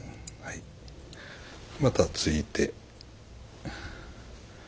またついて。